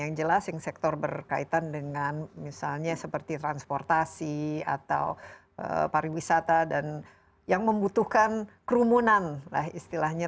yang jelas yang sektor berkaitan dengan misalnya seperti transportasi atau pariwisata dan yang membutuhkan kerumunan lah istilahnya